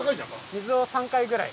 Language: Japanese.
水を３回ぐらい。